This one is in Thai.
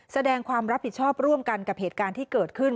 แสดงความรับผิดชอบร่วมกันกับเหตุการณ์ที่เกิดขึ้น